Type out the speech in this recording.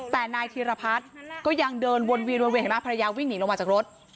แต่นายธิรพัฒน์ก็ยังเดินวนเวียนภรรยาวิ่งหนีลงมาจากรถ